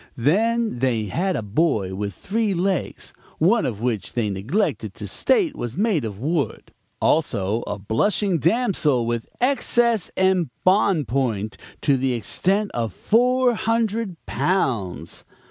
Then they had a boy with three legs, one of which they neglected to state was made of wood; also a blushing damsel with excess embonpoint to the extent of four hundred pounds.